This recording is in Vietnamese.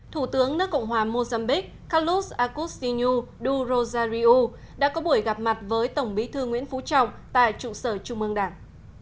thủ tướng nước cộng hòa mozambique carlos agustinu du rosario đã có buổi gặp mặt với tổng bí thư nguyễn phú trọng tại trụ sở trung mương đảng